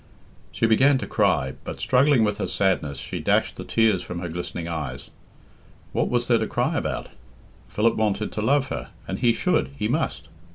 She began to cry, but struggling with her sadness, she dashed the tears from her glistening eyes. What was there to cry about? Philip wanted to love her, and he should, he must.